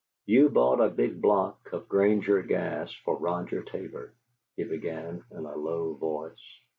"You bought a big block of Granger Gas for Roger Tabor," he began, in a low voice.